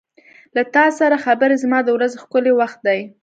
• له تا سره خبرې زما د ورځې ښکلی وخت دی.